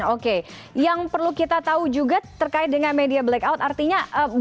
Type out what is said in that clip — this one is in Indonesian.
oke yang perlu kita tahu juga terkait dengan media blackout artinya